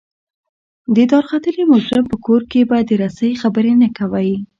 د دارختلي مجرم په کور کې به د رسۍ خبرې نه کوئ.